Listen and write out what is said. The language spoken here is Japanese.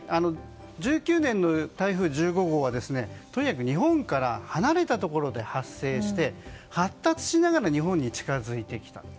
１９年の台風１５号はとにかく日本から離れたところで発生して、発達しながら日本に近づいてきた。